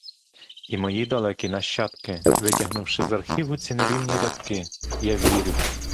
І мої далекі нащадки, витягнувши з архіву ці нерівні рядки — я вірю!